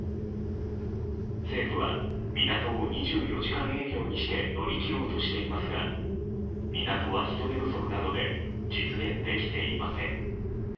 政府は、港を２４時間営業にして乗り切ろうとしていますが港は人手不足などで実現できていません。